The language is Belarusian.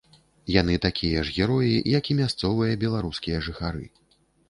Яны такія ж героі, як і мясцовыя беларускія жыхары.